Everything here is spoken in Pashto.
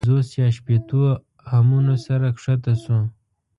له پنځوس یا شپېتو همیونو سره کښته شو.